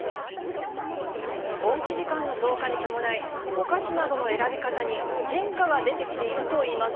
おうち時間の増加に伴い、お菓子などの選び方に変化が出てきているといいます。